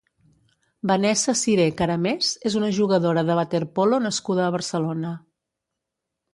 Vanessa Siré Caramés és una jugadora de waterpolo nascuda a Barcelona.